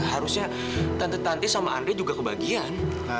harusnya tante tante sama andre juga kebagian